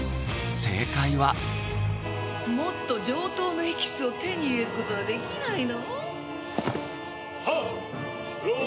正解は「もっと上等なエキスを手に入れることはできないの？」